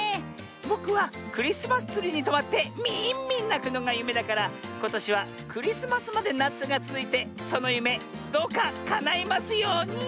ぼくはクリスマスツリーにとまってミーンミンなくのがゆめだからことしはクリスマスまでなつがつづいてそのゆめどうかかないますように！